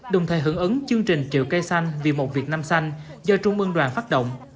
đồng thời hưởng ứng chương trình triệu cây xanh vì một việt nam xanh do trung mương đoàn phát động